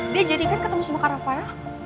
dia jadikan ketemu sama kak rafael